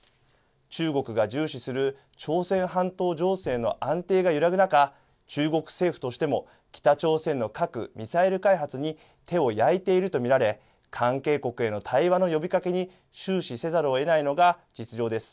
中国が重視する朝鮮半島情勢の安定が揺らぐ中、中国政府としても北朝鮮の核・ミサイル開発に手を焼いていると見られ関係国への対話の呼びかけに終始せざるをえないのが実情です。